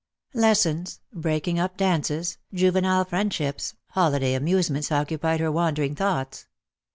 Lessons, breaking up dances, juvenile friendships, holiday amusements occupied her wandering thoughts.